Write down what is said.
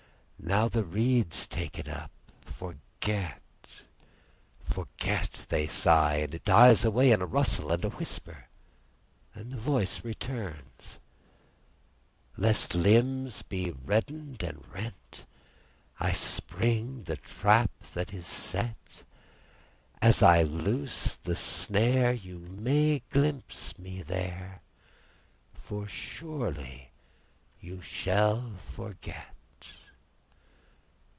_ Now the reeds take it up—forget, forget, they sigh, and it dies away in a rustle and a whisper. Then the voice returns— "_Lest limbs be reddened and rent—I spring the trap that is set—As I loose the snare you may glimpse me there—For surely you shall forget!